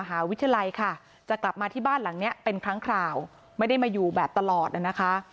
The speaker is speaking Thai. เหล่านี้เป็นครั้งคราวไม่ได้มาอยู่แบบตลอดนะคะ